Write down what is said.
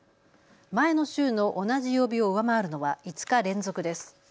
前の週の同じ曜日を上回るのは５日連続です。